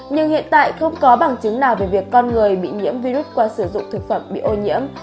nhưng hiện tại không có bằng chứng nào về việc con người bị nhiễm virus qua sử dụng thực phẩm bị ô nhiễm